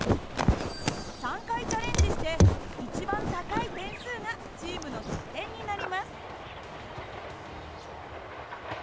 ３回チャレンジして一番高い点数がチームの得点になります。